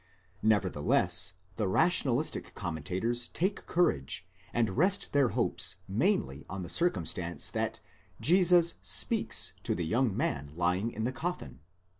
Nevertheless, the rationalistic com mentators take courage, and rest their hopes mainly on the circumstance that Jesus speaks to the young man lying in the coffin (v.